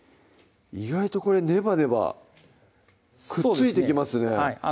意外とこれネバネバくっついてきますね